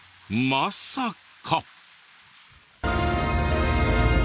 まさか。